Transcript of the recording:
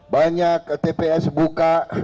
banyak tps buka